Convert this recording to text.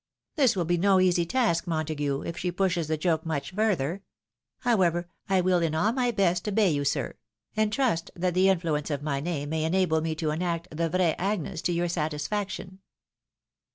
" This will be no easy task, Montague, if she pushes the joke much further. However, ' I will in aU my best obey you, sir ;' and trust that the influence of my name may enable me to enact the vrai Agnes to your satisfaction."